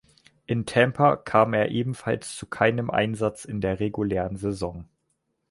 In Tampa kam er ebenfalls zu keinem Einsatz in der regulären Saison.